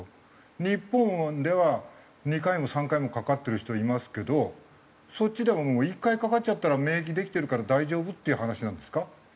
日本では２回も３回もかかってる人いますけどそっちでは１回かかっちゃったら免疫できてるから大丈夫っていう話なんですか？